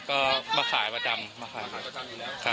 ก็มาขายประจำมาขายขายประจำอยู่แล้วครับ